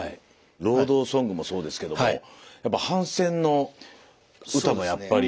労働ソングもそうですけどもやっぱ反戦の歌もやっぱり。